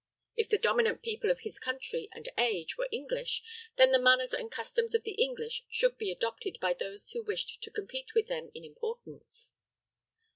If the dominant people of his country and age were English, then the manners and customs of the English should be adopted by those who wished to compete with them in importance.